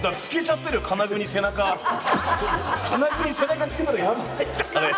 金具に背中つけたらやばいんだあれ。